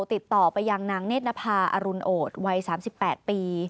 ติดต่อไปยังนางเนธนภาอรุณโอดวัย๓๘ปี